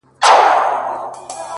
د دوى په نيت ورسره نه اوسيږو;